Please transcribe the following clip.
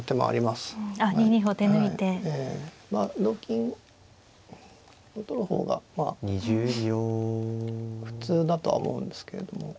まあ同金で取る方がまあ普通だとは思うんですけれども。